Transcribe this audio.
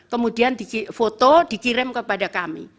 kemudian di foto dikirim kepada kami